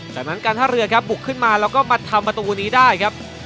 จากนั้นการท่าเรือครับบุกขึ้นมาแล้วก็มาทำประตูนี้ได้ครับ